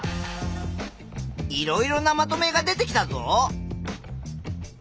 いろいろなまとめが出てきたぞ。